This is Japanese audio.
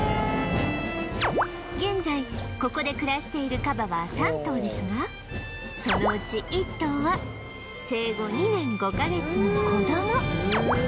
現在ここで暮らしているカバは３頭ですがそのうち１頭は生後２年５カ月の子供